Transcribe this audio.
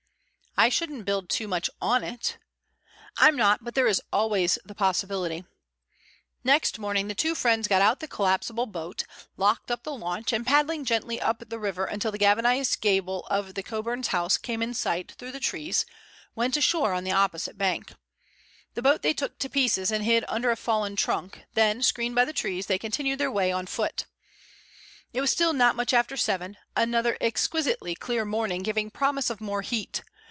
"I shouldn't build too much on it." "I'm not, but there is always the possibility." Next morning the two friends got out the collapsible boat, locked up the launch, and paddling gently up the river until the galvanized gable of the Coburns' house came in sight through the trees, went ashore on the opposite bank. The boat they took to pieces and hid under a fallen trunk, then, screened by the trees, they continued their way on foot. It was still not much after seven, another exquisitely clear morning giving promise of more heat.